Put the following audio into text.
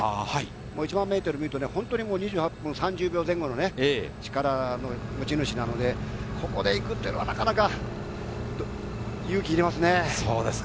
１００００ｍを見ると本当に２８分３０秒前後の力の持ち主なので、ここで行くというのはなかなか勇気がいりますね。